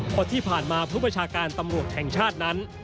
เพราะที่ผ่านมาผู้ประชาการตำรวจแห่งชาตินั้น